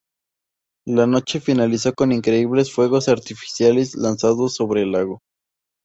La noche finalizó con increíbles fuegos artificiales lanzados sobre el lago.